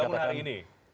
tapi dibangun hari ini